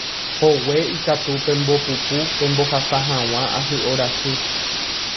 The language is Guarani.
hogue ikatu pembopupu pembohasa hag̃ua ahy'orasy